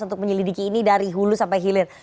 untuk menyelidiki ini dari hulu sampai hilir